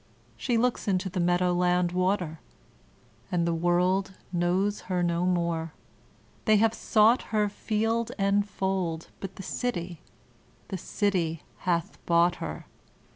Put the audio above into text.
She looks into the meadow land water, and the world Knows her no more; they have sought her field and fold Bnt the City, the Gty hath bonght her.